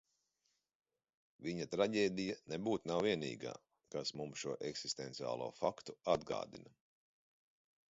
Viņa traģēdija nebūt nav vienīgā, kas mums šo eksistenciālo faktu atgādina.